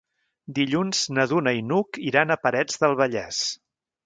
Dilluns na Duna i n'Hug iran a Parets del Vallès.